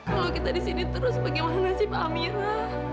kalau kita disini terus bagaimana sih pak amira